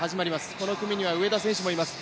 この組には上田選手もいます。